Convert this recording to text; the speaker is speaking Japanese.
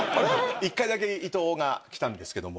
１回だけ伊藤が来たんですけども。